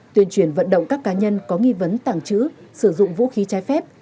tuyên truyền vận động các cá nhân có nghi vấn tàng trữ sử dụng vũ khí trái phép